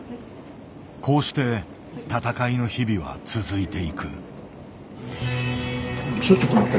こうして闘いの日々は続いていく。